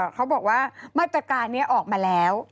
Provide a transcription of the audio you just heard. เขาบอกว่ามาตรการนี้ออกมาแล้ว